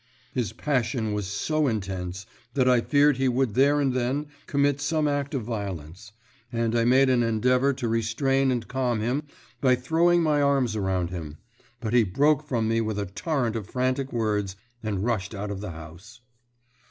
His passion was so intense that I feared he would there and then commit some act of violence, and I made an endeavour to restrain and calm him by throwing my arms around him; but he broke from me with a torrent of frantic words, and rushed out of the house.